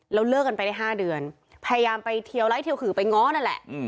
แล้วเลิกกันไปได้๕เดือนพยายามไปเทียวไลค์เทียวขื่อไปง้อนั่นแหละ